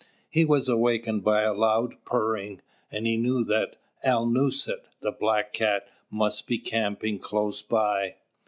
He was awakened by a loud purring; and he knew that "Alnūset," the Black Cat, must be camping close by.